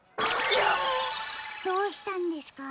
どうしたんですか？